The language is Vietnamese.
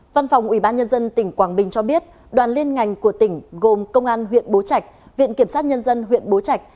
văn phòng ubnd tỉnh quảng bình cho biết đoàn liên ngành của tỉnh gồm công an huyện bố trạch viện kiểm sát nhân dân huyện bố trạch